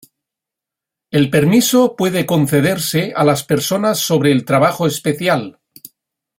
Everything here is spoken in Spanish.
El permiso puede concederse a las personas sobre el trabajo especial.